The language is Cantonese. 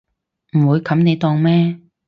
唔會冚你檔咩